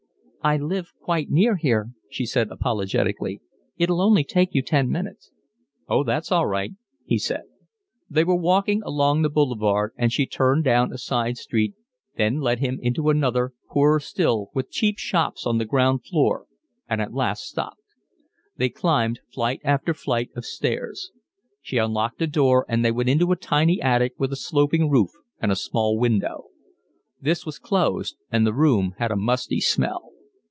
"I live quite near here," she said apologetically. "It'll only take you ten minutes." "Oh, that's all right," he said. They were walking along the boulevard, and she turned down a side street, then led him into another, poorer still, with cheap shops on the ground floor, and at last stopped. They climbed flight after flight of stairs. She unlocked a door, and they went into a tiny attic with a sloping roof and a small window. This was closed and the room had a musty smell.